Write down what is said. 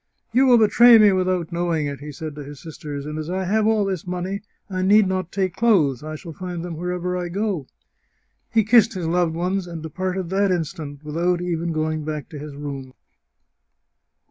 " You will betray me without knowing it !" he said to his sisters, " and as I have all this money I need not take clothes — I shall find them wherever I go." He kissed his loved ones, and departed that instant, without even going back to his room.